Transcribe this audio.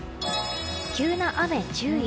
急な雨、注意。